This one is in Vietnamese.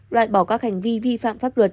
loại bỏ các hành vi vi phạm pháp luật